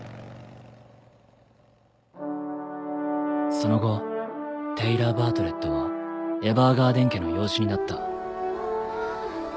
その後テイラー・バートレットはエヴァーガーデン家の養子になったわぁ！